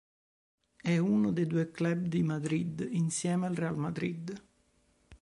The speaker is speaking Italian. È uno dei due club di Madrid, insieme al Real Madrid.